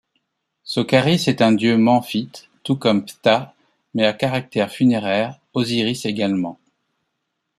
Sokaris est un dieu memphite tout comme Ptah, mais à caractère funéraire, Osiris également.